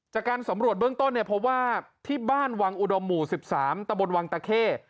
จากการสำรวจเบื้องต้นเนี่ยพบว่าที่บ้านวังอุดมหมู่๑๓ตะบนวังตะเข้